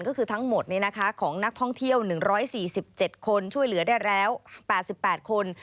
ก็คือทั้งหมดของนักท่องเที่ยว๑๔๗คนช่วยเหลือได้แล้ว๘๘คน